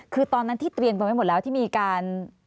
คือตอนนั้นที่เตรียมกันไว้หมดแล้วที่มีการ